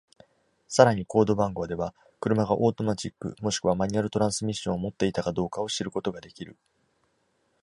さらにコード番号では、車がオートマチックもしくはマニュアルトランスミッションを持っていたかどうかを知ることが出来る。